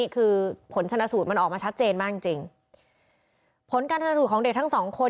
คือผลชนะสูตรมันออกมาชัดเจนมากจริงจริงผลการชนสูตรของเด็กทั้งสองคน